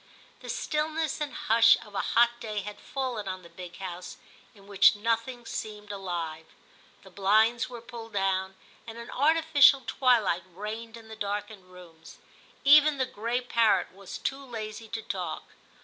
The stillness and hush of a hot day had fallen on the big house, in which nothing seemed alive. The blinds were pulled down, and an artificial twilight reigned in the darkened rooms. Even the gray parrot was too lazy to talk.